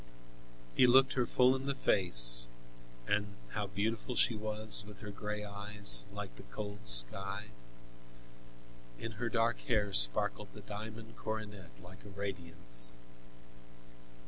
He looked her full in the face, and how beautiful she was, with her gray eyes, like the cold sky. In her dark hair sparkled the diamond coronet, like a radiance.